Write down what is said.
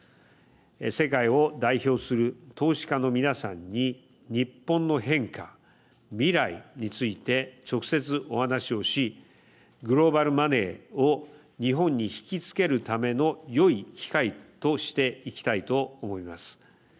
世界を代表する投資家の皆さんに、日本の変化未来について直接お話をしグローバルマネーを日本に引きつけるためのよい機会としていきたいと思います。